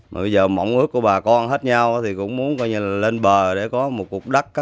bây giờ mộng ước của bà con hết nhau thì cũng muốn lên bờ để có một cục đất